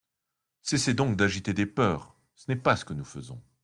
Cessez donc d’agiter des peurs ! Ce n’est pas ce que nous faisons.